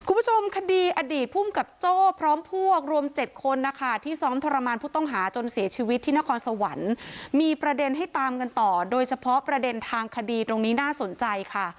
คุณผู้ชมคดีอดีตภูมิกับโจ้พร้อมพวกรวม๗คนนะคะที่ซ้อมทรมานผู้ต้องหาจนเสียชีวิตที่นครสวรรค์มีประเด็นให้ตามกันต่อโดยเฉพาะประเด็นทางคดีตรงนี้น่าสนใจค่ะ